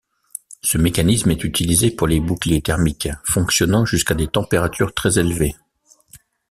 Ce mécanisme est utilisé pour les boucliers thermiques fonctionnant jusqu'à des températures très élevées.